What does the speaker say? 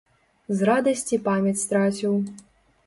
З радасці памяць страціў.